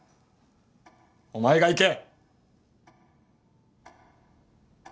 お前が行け！